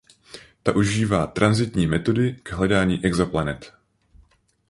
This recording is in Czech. Ta užívá tranzitní metody k hledání exoplanet.